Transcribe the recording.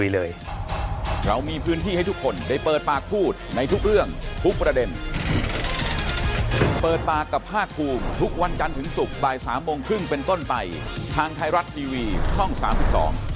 แล้วเขารอผมนานมากก็เลยรีบลุยเลย